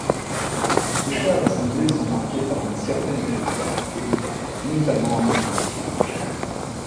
Ses choix à l’assemblée sont marqués par une certaine irrégularité, notamment en politique étrangère.